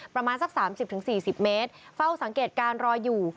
ประมาณสัก๓๐๔๐เมตรเฝ้าสังเกตการณ์รออยู่